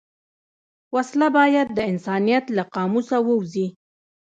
وسله باید د انسانیت له قاموسه ووځي